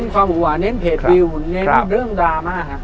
เน้นข้อมูลกว่าเน้นเพจวิวเน้นเรื่องดราม่า